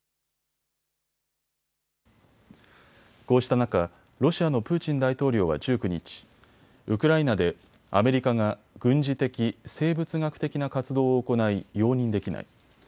こうした中、ロシアのプーチン大統領は１９日、ウクライナでアメリカが軍事的・生物学的な活動を行い容認できない。